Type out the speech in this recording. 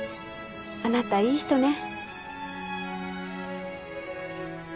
あなたいい人ね。